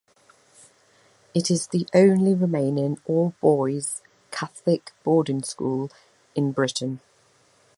It is the only remaining all-boys Catholic boarding school in Britain.